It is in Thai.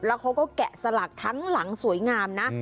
แล้วเขาก็แกะสลักทั้งหลังสวยงามนะ